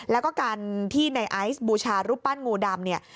แล้วก็การที่ในไอซ์บูชารูปปั้นงูดำเนี่ย